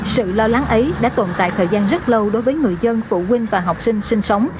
sự lo lắng ấy đã tồn tại thời gian rất lâu đối với người dân phụ huynh và học sinh sinh sống